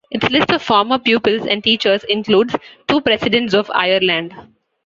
Its list of former pupils and teachers includes two Presidents of Ireland.